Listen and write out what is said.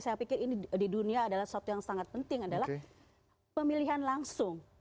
saya pikir ini di dunia adalah sesuatu yang sangat penting adalah pemilihan langsung